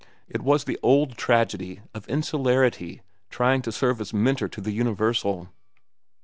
It was the old tragedy of insularity trying to serve as mentor to the universal.